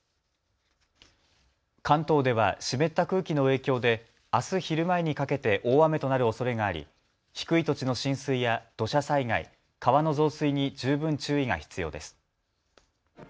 関東では湿った空気の影響であす昼前にかけて大雨となるおそれがあり低い土地の浸水や土砂災害、川の増水に十分注意が必要です。